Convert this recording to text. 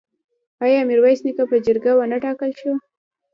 آیا میرویس نیکه په جرګه نه وټاکل شو؟